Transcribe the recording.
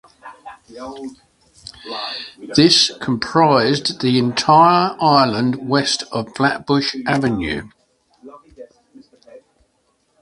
This comprised the entire island west of Flatbush Avenue.